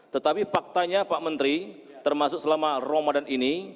tetapi faktanya pak menteri termasuk selama ramadan ini